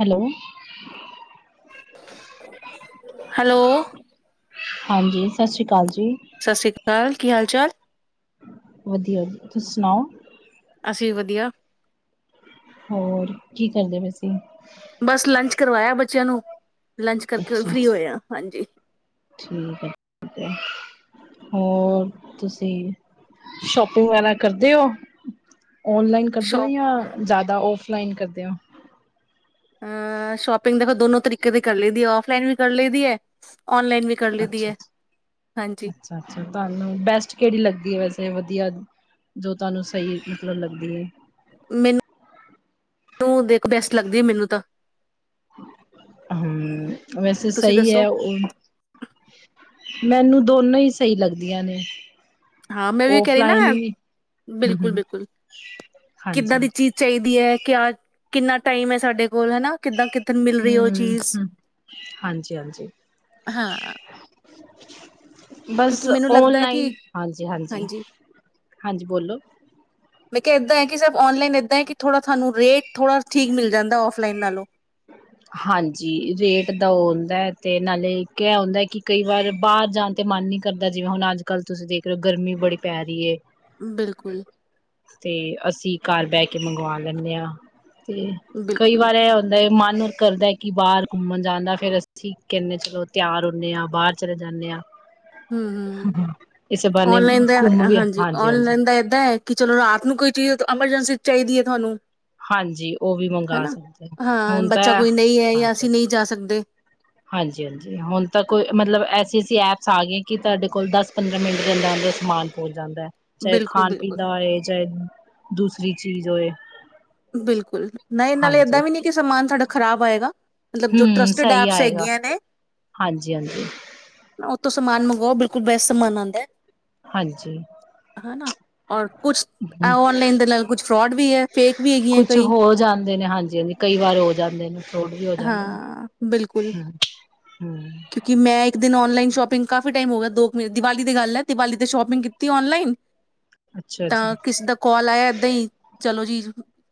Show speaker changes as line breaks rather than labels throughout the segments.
Hello
hello
ਹਾਂਜੀ ਸਤਿ ਸ੍ਰੀ ਅਕਾਲ ਜੀ
ਸਤਿ ਸ੍ਰੀ ਅਕਾਲ ਕੀ ਹਾਲ ਚਾਲ
ਵਧੀਆ ਵਧੀਆ ਤੁਸੀਂ ਸੁਣਾਓ
ਅਸੀਂ ਵਧੀਆ
ਹੋਰ ਕੀ ਕਰਦੇ ਪਸੀ
ਬਸ ਲੰਚ ਕਰਵਾਇਆ ਬੱਚਿਆਂ ਨੂੰ, ਲੰਚ ਕਰਕੇ
ਅੱਛਾ
ਫ੍ਰਰੀ
ਅੱਛਾ
ਹੋਏ ਆ ਹਾਂਜੀ
ਠੀਕ ਹੈ ਠੀਕ ਹੈ ਹੋਰ ਤੁਸੀਂ ਸ਼ੋਪਿੰਗ ਵਗੈਰਾ ਕਰਦੇ ਹੋ ਔਨਲਾਈਨ ਕਰਦੇ ਹੋ
ਸ਼ੋਪ
ਜਾਂ ਜ਼ਿਆਦਾ ਸਲਾਈਨ ਕਰਦੇ ਹੋ
ਅ ਸ਼ੋਪਿੰਗ ਦੇਖੋ ਦੋਨੋ ਤਰੀਕੇ ਦੇ ਕਰ ਲਦੀ ਹੈ ਔਫਲਾਈਨ ਵੀ ਕਰ ਲਈਦੀ ਹੈ
ੱ
ਹਾਂਜੀ,
ਅੱ ਤੁਾਨੂੰ ਬੈਸਟ ਕਿਹੜੀ ਲੱਦੀ ਵੈਸੇ ਵਧੀਆ ਜੋ ਤੁਹਾਨੂੰ ਸਹੀ ਮਿਕਲਣ ਲੱਗਦੀ ਹੈ
ਮੈਨੂੰੂੰ ਦੇਖ ਬੈਸਟ ਲੱਗਦੀ ਹੈ ਮੈਨੂੰ ਤਾਂ
ਹਮ ਵੈਸੇ
ਤੁਸੀਂ
ਸਹੀ
ਦੱਸੋ,
ਹੈ ਉਹ ਮੈਨੂੰ ਦੋਨੋ ਹੀ ਸਹੀ ਲੱਗਦੀਆਂ ਨੇ
ਹਾਂ ਮੈਂ ਵੀ ਕਹਿ ਰਹੀ ਨਾ
ਔਫਲਾਈਨ ਹੀ ਹਮ
ਬਿਲਕੁਲ
ਹਮ
ਬਿਲਕੁਲ ਕਿੱਦਾਂ
ਹਾਂਜੀ
ਦੀ ਚੀਜ਼ ਚਾਹੀਦੀ ਹੈ ਕਿਆ ਕਿੰਨਾ ਟਾਈਮ ਹੈ ਸਾਡੇ ਬੋਲ ਹੈ ਨਾ ਕਿੱਦਾਂ ਕਿੱਦਣ ਮਿਲ ਰਹੀ ਉਹ ਚੀਜ਼
ਹੂੰ, ਹਾਂਜੀ-ਹਾਂਜੀ
ਹਾਂ
[unintelligible] ਬਸ
ਕਿਉਂਕਿ ਮੈਨੂੰ ਲੱਗਦਾ ਹੈ ਕਿ
ਓਨਲਾਈਨ ਹਾਂਜੀ-ਹਾਂਜੀ,
ਹਾਂਜੀ
ਹਾਂਜੀ ਬੋਲੋ
ਮੈਂ ਕਿਹਾ ਏਦਾਂ ਹੈ ਕਿ ਸ ਓਨਲਾਈਨ ਕਿ ਥੋੜ੍ਹਾ ਤੁਹਾਨੂੰ ਰੇਟ ਥੋੜ੍ਹਾ ਠੀਕ ਮਿਲ ਜਾਂਦਾ ਆਫ ਲਾਈਨ ਨਾਲ ਲੋਂ
ਹਾਂਜੀ ਰੇਟ ਦਾ ਉਹ ਹੁੰਂਦਾ ਤੇ ਨਾਲੇ ਕਹਿ ਹੁੰਂਦਾ ਹੈ ਕਿ ਕਈ ਵਾਰ ਬਾਹਰ ਜਾਣ ਤੇ ਮਨ ਨਹੀਂੀ ਕਰਦਾ ਜਿਵੇਂ ਹੁਣ ਅੱਜ ਕੱਲ ਤੁਸੀਂ ਦੇਖ ਰਹੇ ਹੋ ਗਰਮੀ ਬੜੀ ਪੈ ਰਹੀ ਹੈ
ਬਿਲਕੁਲ,
ਤੇ ਅਸੀਂ ਘਰ ਬਹਿ ਕੇ ਮੰਗਵਾ ਲੈਂਨੇ ਹਾਂ ਤੇ ਕਈ
ਬਿਲਕੁਲ
ਵਾਰ ਇਹ ਮਨ ਕਰਦਾ ਹੈ ਕਿ ਬਾਹਰ ਘੁੰਮਣ ਜਾਂਦਾ ਫੇਰ ਅਸੀਂ ਕਹਿੰਨਦੇ ਚਲੋ ਤਿਆਰ ਹੁੰਦੇ ਹਾਂ ਬਾਹਰ ਚਲੇ ਜਾਂਦੇ ਹਾਂ
ਹਮ ਹਮ
ਇਸੇ ਬਹਾਨੇ
ਔਨਲਾਈਨ ਦਾ
ਘੁੰਮ ਵੀ
ਹਾਂਜੀ
ਹਾਂਜੀ-ਹਾਂਜੀ
ਔਨਲਾਈਨ ਦਾ ਏਦਾਂ ਹੈ ਕਿ ਚਲੋ ਰਾਤ ਨੂੰ ਕੋਈ ਚੀਜ਼ ਐਮਰਜੈਂਸੀ ਚਾਹੀਦੀ ਹੈ ਤੁਹਾਨੂੰ
ਹਾਂਜੀ ਉਹ ਵੀ ਮੰਗਵਾ
ਹਨਾ
ਸਕਦੇ ਹੋ
ਹਾਂ
ਹੁਣ
ਬੱਚਾ
ਤਾਂ
ਕੋਈ ਨਹੀਂ ਹੈ ਜਾਂ
ਹਾਂਜੀ
ਅਸੀਂ ਨਹੀਂ ਜਾ ਸਕਦੇ
ਹਾਂਜੀ ਹਾਂਜੀ ਹੁਣ ਤਾਂ ਕੋਈ ਮਤਲਬ ਐਸੀ ਐਸੀ ਐਪ ਸਾ ਗਏ ਕਿ ਤੁਹਾਡੇ ਕੋਲ ਦਸ ਪੰਦਰਾਂ ਮਿੰਟ ਲੰਦਾ ਸਮਾਨ ਪਹੁੰਚ ਜਾਂਦਾ ਚਾਹੇ
ਬਿਲਕੁਲ,
ਖਾਣ ਪੀਣ
ਬਿਲਕੁਲ,
ਦਾ ਹੋਏ ਚਾਹੇ ਦੂਸਰੀ ਚੀਜ਼ ਹੋਏ
ਬਿਲਕੁਲ ਨਹੀਂ ਇਹ ਨਾਲੇ
ਹਾਂਜੀ
ਏਦਾਂ ਵੀ ਨਹੀਂੀ ਕਿ ਸਮਾਨ ਸਾਡਾ ਖ਼ਰਾਬ ਆਏਗਾ ਮਤਲਬ ਜੋ
ਹਮ
ਟਰਸਟਡ
ਸਹੀ
ਐਪਸ
ਆਏਗਾ
ਹੈਗੀਆਂ ਨੇ
ਹਾਂਜੀ ਹਾਂਜੀ
ਉਥੋਂ ਸਮਾਨ ਮੰਗਵਾਓ ਬਿਲਕੁਲ ਬੇਸਟ ਸਮਾਨ ਆਉਂਦਾ ਹੈ
ਹਾਂਜੀ
ਹਨਾ ਔਰ ਕੁਛ ਔਨਲਾਈਨ ਦੇ ਨਾਲ ਕੁਛ ਫਰੋਡ ਵੀ ਹੈ ਫੇਕ ਹੈਗੀਆਂ
ਕੁਛ
ਕਈ
ਹੋ ਜਾਂਦੇ ਨੇ ਹਾਂਜੀ ਹਾਂਜੀ ਕਈ ਵਾਰ ਹੋ ਜਾਂਦੇ ਨੇ ਫਰੋਡ ਵੀ ਹੋ ਜਾਂਦੇ ਨੇ
ਹਾਂ ਬਿਲਕੁਲ
ਹਮ ਹਮ
ਕਿਉਂਕਿ ਮੈਂ ਇੱਕ ਦਿਨ ਓਂਨਲਾਈਨ ਸ਼ੋਪਿੰਗ ਕਾਫੀ ਟਾਈਮ ਹੋ ਗਿਆ ਦੋ ਕੁ ਮਿੰਟ ਦੀਵਾਲੀ ਗੱਲ ਹੈ ਦੀਵਾਲੀ ਤੇ ਸ਼ੋਪਿੰਗ ਕੀਤੀ ਔਨਲਾਈਨ
ਅੱਛਾ
ਤਾਂ
ਜੀ
ਕਿਸੇ ਦਾ ਕਾਲ ਆਇਆ ਏਦਾਂ ਹੀ ਚਲੋ ਜੀ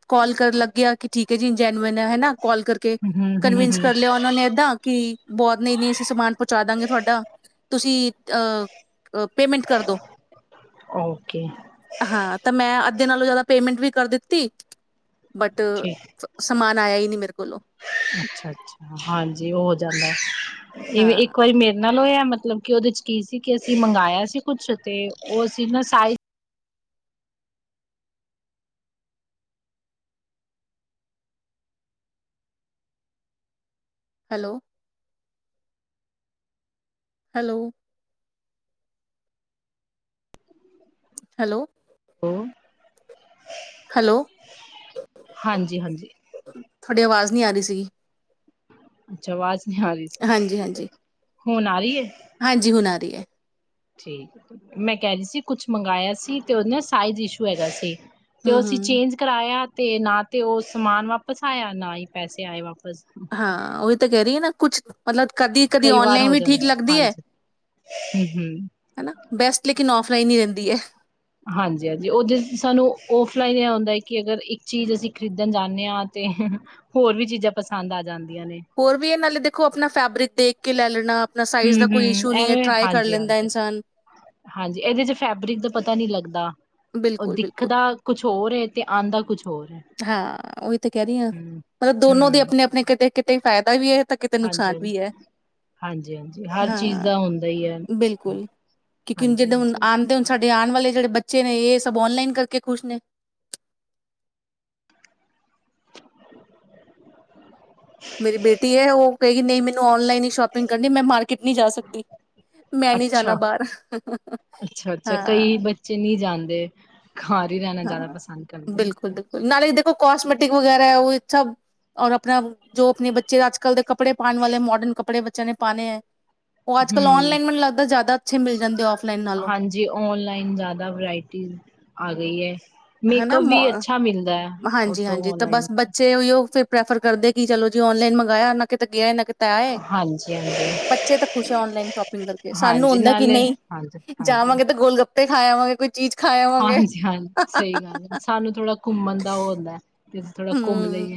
ਕਾਲ ਕਰਨ ਲੱਗਿਆ ਕਿ ਠੀਕ ਹੈ ਜੀ ਮੈਨੂੰ ਹੈ ਹਨਾ ਕੋਲ ਕਰਕੇ
ਹਮ ਹਮ ਹਮ
ਕਨਵਿੰਸ
ਹਮ
ਕਰ ਲਿਆ ਉਹਨਾਂ ਨੇ ਏਦਾਂ ਕਿ ਬਹੁਤ ਨਹੀਂ ਨਹੀਂ ਅਸੀਂ ਸਮਾਨ ਪਹੁੰਚਾ ਦਾਂਗੇ ਤੁਹਾਡਾ ਤੁਸੀਂ ਅਹ ਪੇਮੈਂਟ ਕਰਦੋ
ਓਕੇ
ਹਾਂ ਤੇ ਮੈਂ ਅੱਧੇ ਨਾਲੋਂ ਜਿਆਦਾ ਪੇਮੈਂਟ ਵੀ ਕਰ ਦਿੱਤੀ ਬਟ
ਠੀਕ
ਸਮਾਜ ਆਇਆ ਹੀ ਨਹੀਂ ਮੇਰੇ ਕੋਲੋਂ
ਅੱਛਾ ਅੱਛਾ ਹਾਂਜੀ ਉਹ ਜਾਂਦਾ ਐਵੇਂ
ਹਾਂ
ਇੱਕ ਵਾਰੀ ਮੇਰੇ ਨਾਲ ਹੋਇਆ ਇਹ ਮਤਲਬ ਕਿ ਉਹਦੇ ਚ ਕੀ ਸੀ ਕਿ ਅਸੀਂ ਮੰਗਇਆ ਸੀ ਕੁਛ ਤੇ ਉਹ ਅ ਸੀ ਨਾ size
hello hello hello
hello,
hello,
ਹਾਂਜੀ ਹਾਂਜੀ
ਤੁਹਾਡੀ ਆਵਾਜ਼ ਨਹੀਂ ਆ ਰਹੀ ਸੀਗੀ।
ਅੱਛਾ ਆਵਾਜ਼ ਹਾਂਜੀ ਹੁਣ ਆ ਰਹੀ ਹੈ
ਹਾਂਜੀ ਹੁਣ ਆ ਰਹੀ ਹੈ
ਠੀਕ ਮੈਂ ਕਹਿ ਰਹੀ ਸੀ ਕੁਛ ਮੰਗਇਆ ਸੀ ਤੇ ਉਹਦੇ ਨਾਲ ਸਾਈਜ਼ ਇਸ਼ੂ ਹੈਗਾ ਸੀ ਤੇ
ਹੂੰ,
ਉਹ ਅਸੀਂ
ਹੂੰ
ਚੇਂਜ ਕਰਾਇਆ ਤੇ ਨਾ ਤੇ ਉਹ ਸਮਾਨ ਵਾਪਸ ਆਇਆ ਨਾ ਹੀ ਪੈਸੇ ਆਏ ਵਾਪ
ਹਾਂ, ਉਹੀ ਤਾਂ ਕਹਿ ਰਹੀ ਨਾ ਕੁੱਛ ਮਤਲਬ ਕਦੀ ਕਦੀ
ਕਈ ਵਾਰ
ਔਨਲਾਈਨ
ਹੋ
ਵੀ
ਜਾਂਦਾ
ਠੀਕ ਲੱਗਦੀ ਹੈ
ਹਾਂਜੀ ਹਮ ਹਮ
ਹਨਾ ਬੈਸਟ ਲੇਕਿਨ ਔਫਲਾਈਨ ਹੀ ਰਹਿੰਦੀ ਹੈ
ਹਾਂਜੀ ਹਾਂਜੀ, ਓਦੇ ਸਾਨੂੰ ਫਲਾਈਨ ਆਉਂਦਾ ਕਿ ਅਗਰ ਇੱਕ ਚੀਜ਼ ਅਸੀਂ ਖਰੀਦਣ ਜਾਣੇ ਆ ਤੇ ਹੋਰ ਵੀ ਚੀਜ਼ਾਂ ਪਸੰਦ ਆ ਜਾਂਦੀ
ਹੋਰ ਵੀ ਇਹ ਨਾਲੇ ਦੇਖੋ ਆਪਣਾ ਫੈਬਰਿਕ ਦੇਖ ਕੇ ਲੈ ਲੈਣਾ ਆਪ
ਹੂੰ ਹੂੰ, ਐਵੇਂ ਹਾਂਜੀ ਹਾਂਜੀ
ਇਨਸਾਨ
ਹਾਂਜੀ ਇਹਦੇ ਚ ਫੈਬਰਿਕ ਦਾ ਪਤਾ ਨੀ ਲੱਗਦਾ ਉਹ
ਬਿਲਕੁਲ, ਬਿਲਕੁਲ
ਦਿਖਦਾ ਕੁਛ ਹੋਰ ਹੈ ਤੇ ਆਂਦਾ ਕੁਛ ਹੋਰ ਏ,
ਹਾਂ, ਉਹੀ ਤਾਂ ਕਹਿ ਰਹੀ ਹਾਂ
ਹੂੰ।
ਮਤਲਬ ਦੋਨੋ ਦੇ
ਹੂੰ,
ਆਪਣੇ ਆਪਣੇ ਕਿਤੇ ਕਿਤੇ ਫਾਇਦਾ ਵੀ ਹੈ। ਕਿਤੇ ਕਿਤੇ ਨੁਕਸਾਨ
ਹਾਂਜੀ-ਹਾਂਜੀ,
ਵੀ ਹੈ
ਹਾਂਜੀ-ਹਾਂਜੀ ਹਰ ਚੀਜ਼
ਹਾਂ
ਦਾ ਹੁੰਦਾ ਈ ਐ।
ਬਿਲਕੁਲ ਕਿਉਂਕਿ ਜਿਦੇ ਹੁਣ
ਹਾਂਜੀ-ਹਾਂਜੀ,
ਆਂਦੇ ਹਣ ਸਾਡੇ ਤੇ ਆਣ ਵਾਲੇ ਜਿਹੜੇ ਬੱਚੇ ਨੇ ਇਹ ਸਭ ਔਨਲਾਈਨ ਕਰਕੇ ਖ਼ੁਸ਼ ਨੇ ਮੇਰੀ ਬੇਟੀ ਹੈ ਉਹ ਕਹੇਗੀ ਨਹੀਂ ਮੈਨੂੰ ਔਨ ਲਾਈਨ ਹੀ ਸ਼ੋਪਿੰਗ ਕਰਨੀ ਮੈਂ ਮਾਰਕੀਟ ਨੀ ਜਾ ਸਕਦੀ ਮੈਂ ਨੀ
ਅੱਛਾ।
ਜਾਣਾ ਬਾਹਰ
ਅੱਛਾ-ਅੱਛਾ, ਕਈ
ਹਾਂ।
ਬੱਚੇ [unintelligible] ਰਹਿਣਾ ਜ਼ਿਆਦਾ
ਹਾਂ,
ਪਸੰਦ ਕਰਦੇ ਨੇ,
ਬਿਲਕੁਲ-ਬਿਲਕੁਲ, ਨਾਲੇ ਕਸਮੈਟਿਕ ਵਗੈਰਾ ਹੈ ਉਹ ਸਭ ਔਰ ਆਪਣਾ ਜੋ ਆਪਣੇ ਬੱਚੇ ਅੱਜ-ਕੱਲ ਦੇ ਕੱਪੜੇ ਪਾਣ ਵਾਲੇ ਮੋਡਰਨੱ ਕਪੜੇ ਬਚੇ ਨੇ ਪਾਣੇਆ। ਉਹ ਅੱਜ-ਕੱਲ
ਹੂੰ।
ਆਨਲਾਈਨ ਮੈਨੂੰ ਲੱਗਦਾ, ਜ਼ਿਆਦਾ ਇਥੇ ਮਿਲ ਜਾਂਦੇਏ ਔਫ
ਹਾਂਜੀ, ਓਨਲਾਈਨ ਜ਼ਿਆਦਾ ਵਰਾਇਟੀ ਆ ਗਈ ਹੈ।
ਹੈਨਾ,
ਉੱਥੋਂ
ਹਾਂਜੀ-ਹਾਂਜੀ, ਤੇ
ਔਨਲਾਈਨ
ਬਸ ਬੱਚੇ ਓਹੀਔ ਪ੍ਰੈਫਰ ਕਰਦੇ ਕਿ ਚਲੋ ਜੀ ਔਨਲਾਈਨ ਮੰਗਾਇਆ ਨਾ ਕਿਤੇ ਗਿਆ, ਨਾ ਕਿਤੇ-
ਹਾਂਜੀ-ਹਾਂਜੀ।
ਬੱਚੇ ਤਾਂ ਖੁਸ਼ ਹੈ ਓਨਲਾਈਨ ਸ਼ੋਪਿੰਗ ਕਰਕੇ ਸਾਨੂੰ
ਹਾਂਜੀ
ਹੁੰਂਦਾ ਕਿ
ਨਾਲੇ
ਨਹੀਂ
ਹਾਂਜੀ ਹਾਂਜੀ
ਜਾਵਾਂਗੇ ਤੇ ਗੋਲ ਗੱਪ ਤੇ ਖਾਇ ਆ ਵਾਂਗੇ ਕੁਛ। ਚੀਜ ਖਾਵਾਂਗੇ।
ਹਾਂਜੀ ਹਾਂਜੀ ਸਹੀ ਗੱਲ ਹੈ, ਸਾਨੂੰ ਥੋੜਾ ਘੁੰਮਣ ਦਾ ਉਹ ਆੁੰਦਾ।
ਹੂੰ,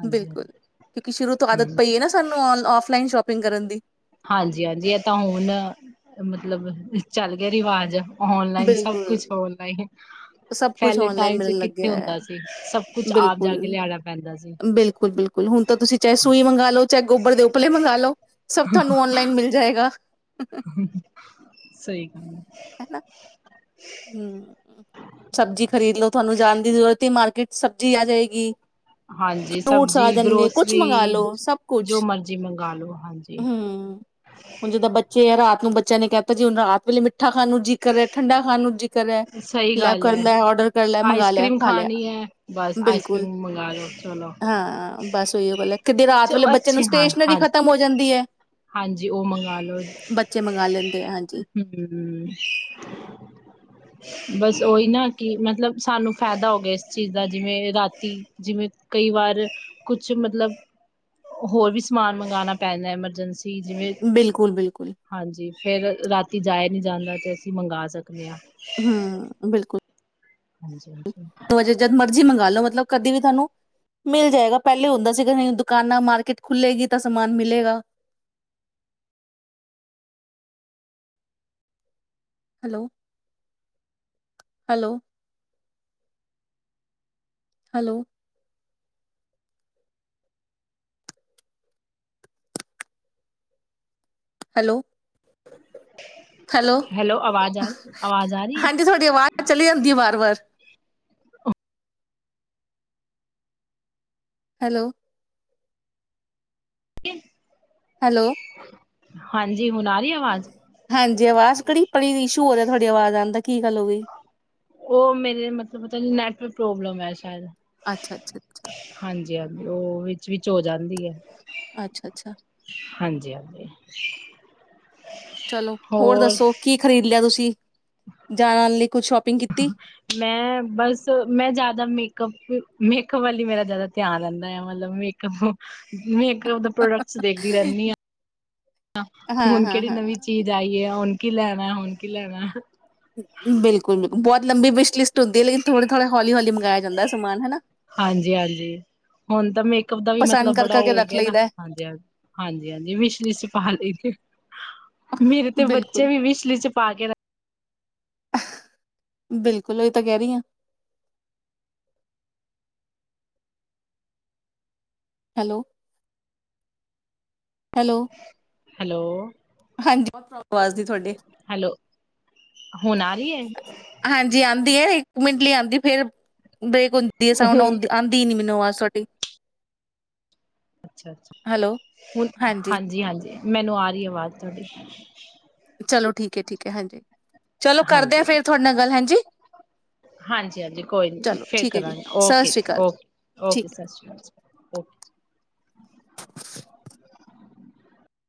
ਹਾਂਜੀ
ਬਿਲਕੁਲ ਕਿਉਂਕਿ ਸ਼ੁਰੂ ਤੋਂ ਆਦਤ
ਹਮ
ਪਈ ਹੈ ਨਾ ਸਾਨੂੰ ਆਫਲਾਈਨ ਸ਼ੋਪਿੰਗ ਕਰਨ ਦੀ।
ਹਾਂਜੀ-ਹਾਂਜੀ, ਇਹ ਤਾਂ ਹੁਣ ਮਤਲਬ ਚੱਲ ਗਿਆ ਰਿਵਾਜ਼। ਆਨਲਾਈਨ ਸਬ ਕੁਛ
ਬਿਲਕੁਲ
ਆਨਲਾਈਨ
ਸਭ ਕੁਛ ਔਨਲਾਈਨ
ਪਲੇਨ ਚ
ਮਿਲਣ
ਕਿੱਥੇ
ਲੱਗਿਆ
ਹੁੰਦਾ
ਹੈ
ਸੀ ਸਬ ਕੁਛ ਆਪ ਜਾ
ਬਿਲਕੁਲ
ਕੇ ਲਿਆਣਾ ਪੈਂਦਾ ਸੀ।
ਬਿਲਕੁਲ ਬਿਲਕੁਲ ਹੁਣ ਤਾਂ ਤੁਸੀਂ ਚਾਹੇ ਸੂਈ ਮੰਗਾ ਲਓ ਚਾਹੇ ਗੋਬਰ ਦੇ ਉਪਲੇ ਮੰਗਵਾ ਲੋ, ਸਭ ਤੁਹਾਨੂੰ ਔਨਲਾਈਨ ਮਿਲ ਜਾਏਗਾ। [unintelligible]
ਸਹੀ ਗਲ ਹੈ।
ਹਨਾ ਹੂੰ, ਸਬਜੀ ਖ਼ਰੀਦ ਲੋੋ ਤੁਹਾਨੂੰ ਜਾਣ ਦੀ ਜ਼ਰੂਰਤ ਨਹੀ ਮਾਰਕੀਟ। ਸਬਜ਼ੀ ਆ ਜਾਏਗੀ।
ਹਾਂਜੀ,
ਫਰੂਟਸ
ਸਬਜੀ,
ਆ ਜਾਣਗੇ ਕੁਛ ਮੰਗਾ
ਗਰੋਸਰੀ
ਲੋ ਸਭ
ਜੋ
ਕੁਛ
ਮਰਜ਼ੀ ਮੰਗਾ ਲਓ ਹਾਂਜੀ।
ਹੂੰ ਹੁਣ ਜਿੱਦਾਂ ਬੱਚੇ ਆ ਰਾਤ ਬੱਚਿਆਂ ਨੇ ਕਹਿ ਤਾ ਜੀ ਹੁਣ ਰਾਤ ਵੇਲੇ ਮਿੱਠਾ ਖਾਣ ਨੂੰ ਜੀ ਕਰੇ, ਠੰਡਾ ਖਾਣ ਨੂੰ
ਸਹੀ
ਲੈ
ਗੱਲ
ਕਰ
ਹੈ
ਲੈ ਆਰਡਰ ਕਰ ਲੈ, ਮੰਗਾ
ਆਈਸ
ਲਿਆ
ਕਰ੍ਰੀਮ
ਖਾ ਲਿਆ।
ਖਾਣੀ ਹੈ ਬਸ ਆਈਸ
ਬਿਲਕੁਲ,
ਕਰ੍ਰੀਮ ਮੰਗਵਾ ਲੋ ਚਲੋ
ਬਸ ਕਿਤੇ ਰਾਤ
ਚ
ਵੇਲੇ ਬੱਚੇ ਨੂੰ
ਅੱਛੇ ਹਾਂ
ਸਟੇਸ਼ਨਰੀ
ਹਾਂ
ਖਤਮ ਹੋ ਜਾਂਦੀ [unintelligible]
ਹਾਂਜੀ, ਉਹ ਮੰਗਾ ਲਓ।
ਬੱਚੇ ਮੰਗਵਾ ਲੈਂਦੇ ਆ ਹਾਂਜੀ
ਬਸ ਉਹੀ ਨਾ ਕਿ ਮਤਲਬ ਸਾਨੂੰ ਫਾਇਦਾ ਹੋ ਗਿਆ ਇਸ ਚੀਜ਼ ਦਾ, ਜਿਵੇਂ ਰਾਤੀ ਜਿਵੇਂ ਕਈ ਵਾਰ ਕੁਛ ਮਤਲਬ ਹੋਰ ਵੀ ਸਮਾਨ ਮੰਗਵਾਉਣਾ ਪੈਂਦਾ ਐਮਰਜੈਂਸੀ
ਬਿਲਕੁਲ ਬਿਲਕੁਲ
ਹਾਂਜੀ ਫਿਰ ਰਾਤੀ ਜਾਏ ਜਾਂਦਾ ਤੇ, ਅਸੀਂ ਮੰਗਗਾ ਸਕ
ਹੂੰ ਬਿਲਕੁਲ,
ਹਾਂਜੀ ਹਾਂਜੀ
ਤ ਅਜੇ ਜਦ ਮਰਜੀ ਮੰਗਾਲੋ ਮਤਲਬ, ਕਦੇ ਵੀ ਤੁਹਾਨੂੰ ਮਿਲ ਜਾਏਗਾ, ਪਹਿਲੇ ਹੁੰਦਾ ਸੀਗਾ ਤੁਹਾਨੂੰ ਦੁਕਾਨਾਂ ਮਾਰਕਿਟ ਖੁਲੇਗੀ ਤਾ ਸਮਾਨ ਮਿਲੇਗਾ। ਹੈਲੋ-ਹੈਲੋ, ਹੈਲੋ, ਹੈਲੋ, ਹੈਲੋ,
ਆਵਾਜ਼ ਆ ਆਵਾਜ਼ ਆ ਰਹੀ
ਹਾਂਜੀ
ਹੈ
ਤੁਹਾਡੀ ਆਵਾਜ਼ ਚਲੀ ਜਾਂਦੀ ਹੈ ਵਾਰ-ਵਾਰ। [unintelligible] ਹੈਲੋ,
ਕੀ,
ਹੈਲੋ,
ਹਾਂਜੀ, ਹੁਣ ਆ ਰਹੀ ਆਵਾਜ਼
ਹਾਂਜੀ, ਆਵਾਜ਼ ਘੜੀ ਆਪਣੀ ਇਸ਼ੂ ਹੋਰ ਰਿਹਾ ਤੁਹਾਡੀ ਆਵਾਜ਼ ਆਣ ਦਾ ਕੀ ਗੱਲ ਹੋਗੀ।
ਉਹ ਮੇਰੇ ਮਤਲਬ ਪਤਾ ਨੀ ਨੈਟਵਰਕ ਪ੍ਰੋਬਲਮ ਹੈ ਸ਼ਾਇਦ
ਅੱਛਾ।
ਹਾਂਜੀ-ਹਾਂਜੀ, ਉਹ ਵੀ ਵਿੱਚ ਹੋ ਜਾਂਦੀ ਹੈ।
ਅੱਛਾ-ਅੱਛਾ,
ਹਾਂਜੀ-ਹਾਂਜੀ,
ਚਲੋ ਹੋਰ ਦੱਸੋ ਕੀ ਖ਼ਰੀਦ ਲਿਆ ਤੁਸੀਂ ਜਾਣ ਲਈ ਕੁੱਝ ਸ਼ੋਪਿੰਗ ਕੀਤੀ।
ਮੈਂ ਬਸ ਮੈਂ ਜ਼ਿਆਦਾ ਮੇਕਅਪ-ਮੇਕਅਪ ਵਾਲੀ ਮੇਰਾ ਜਿਆਦਾ ਧਿਆਨ ਰਹਿੰਦਾ ਆ ਮਤਲਬ ਮੇਕਅੱਪ ਮੈਂ ਇੱਕ ਉਹਦਾ ਪ੍ਰੋਡਕਟਸ ਦੇਖਦੀ ਰਹਿੰਨੀ ਆ
ਹਾਂ
ਹੁਣ
ਹਾਂ
ਕਿਹੜੀ
ਹਾਂ।
ਨਵੀਂ ਚੀਜ਼ ਆਈ ਹੈ। ਕੀ ਲੈਣਾ ਹੁਣ ਕੀ ਲੈਣਾ।
ਬਿਲਕੁਲ-ਬਿਲਕੁਲ ਬਹੁਤ ਲੰਬੀ ਵਿਸ਼ ਲਿਸਟ ਹੁੰਦੀ ਹੈ, ਲੇਕਿਨ ਥੋੜੇ-ਥੋੜੇ ਹੌਲੀ-ਹੌਲੀ ਮੰਗਇਆ ਜਾਂਦਾ ਸਮਾਨ ਹਨਾ।
ਹਾਂਜੀ-ਹਾਂਜੀ, ਹੁਣ ਤਾਂ ਮੇਕਅਪ ਦਾ ਵੀ
ਪਸੰਦ
ਮਤਲਬ
ਕਰ
ਬੜਾ
ਕਰਕੇ
ਹੋ
ਰੱਖ
ਗਿਆ ਨਾ
ਲਈਦਾ ਹੈ।
ਹਾਂਜੀ-ਹਾਂਜੀ-ਹਾਂਜੀ ਮਿਛਲੀ ਚ ਪਾ ਲਈ, ਮੇਰੇ ਤੇ ਬੱਚੇ
ਬਿਲਕੁਲ
ਵੀ ਵਿਛਲੀ ਚ ਪਾ ਕੇ ਰ
ਬਿਲਕੁਲ ਤਾਂ ਕਹਿ ਰਹੀ ਆ। ਹੈਲੋ, ਹੈਲੋ,
ਹੈਲੋ,
ਹਾਂਜੀ ਬਹੁਤ ਆਵਾਜ਼ ਦੀ ਤੁਹਾਡੇ,
ਹੈਲੋ, ਹੁਣ ਆ ਰਾਹੀ ਹੈ।
ਲੇ ਆਦੀ ਫੇਰ ਬ੍ਰੇਕ ਹੁੰਦੀ ਐ ਸਾਊਂਡ ਆਉਂ ਆਦੀ ਨੀ ਮੈਨੂੰ ਆ ਸੋਡੀ,
ਅੱਛਾ, ਅੱਛਾ ਹੁਨ ਹਾਂਜੀ, ਹਾਂਜੀ। ਮੈਨੂੰ ਆ ਰੀ ਏ ਵਾਜ਼ ਤੁਹਾਡੀ।
ਚਲੋ ਠੀਕ ਏ, ਠੀਕ ਏ, ਹਾਂਜੀ। ਚਲੋ ਕਰਦੇ ਆ
ਹਾਂਜੀ
ਫੇਰ ਤੁਹਾਡੇ ਨਾਲ ਗੱਲ ਹੇਂਜੀ।
ਹਾਂਜੀ, ਹਾਂਜੀ ਕੋਈ ਨੀ
ਚਲੋ
ਫੇਰ
ਠੀਕ ਹੈ ਜੀ
ਕਰਾਂਗੇ।
ਸਤਿ
ਓਕੇ,
ਸ਼੍ਰੀ ਅਕਾਲ
ਓਕੇ,
ਠੀਕ
ਓਕੇ ਸਤਿ ਸ਼੍ਰੀ ਅਕਾਲ। [unintelligible]
[unintelligible]